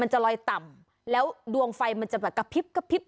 มันจะลอยต่ำแล้วดวงไฟมันจะแบบกระพิบ